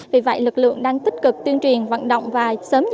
vì vậy lực lượng đang tích cực tiên truyền vận động và sớm dựa